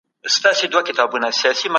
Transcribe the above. په افغانستان کې پېښې یوې په بلې پسې تېرې سوې.